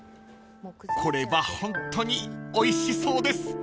［これはホントにおいしそうです］